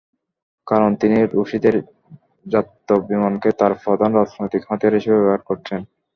কারণ, তিনি রুশীদের জাত্যভিমানকে তাঁর প্রধান রাজনৈতিক হাতিয়ার হিসেবে ব্যবহার করছেন।